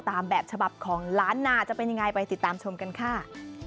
ตามแบบฉบับของล้านนาจะเป็นยังไงไปติดตามชมกันค่ะ